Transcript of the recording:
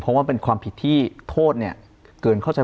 เพราะว่าความผิดที่โทษเกิน๓ปี